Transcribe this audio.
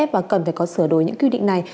và cần phải có sửa đổi những quy định này